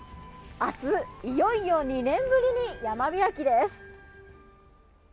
明日、いよいよ２年ぶりに山開きです。